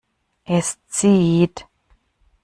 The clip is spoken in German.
Es zieht.